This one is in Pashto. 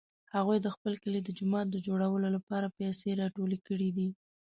هغوی د خپل کلي د جومات د جوړولو لپاره پیسې راټولې کړې دي